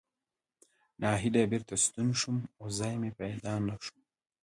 نهیلی بېرته ستون شوم او ځای مې پیدا نه شو.